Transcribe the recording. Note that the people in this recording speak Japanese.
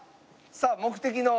さあ目的の。